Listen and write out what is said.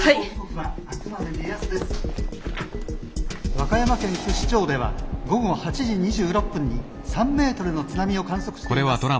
「和歌山県串町では午後８時２６分に３ｍの津波を観測しています。